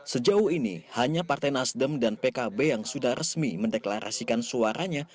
sejauh ini hanya partai nasdem dan pkb yang sudah resmi mendeklarasikan suaranya